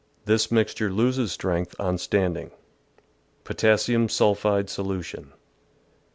This mixture loses strength on standing. Potassium sulphide Solution.